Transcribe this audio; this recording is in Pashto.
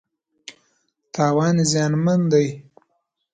تاوان زیانمن دی.